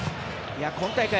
今大会